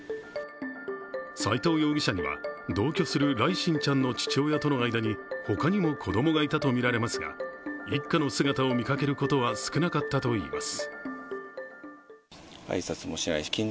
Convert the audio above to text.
斉藤容疑者には、同居する來心ちゃんの父親との間に他にも子供がいたとみられますが、一家の姿を見かけることは少なかったといいます。